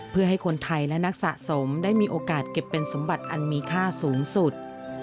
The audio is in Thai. เพื่อให้คนไทยและนักสะสมได้มีโอกาสเก็บเป็นสมบัติอันมีค่าสูงสุด